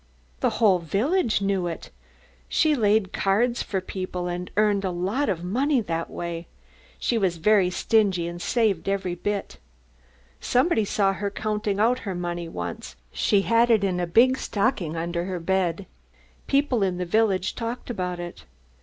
"The whole village knew it. She laid cards for people and earned a lot of money that way. She was very stingy and saved every bit. Somebody saw her counting out her money once, she had it in a big stocking under her bed. People in the village talked about it.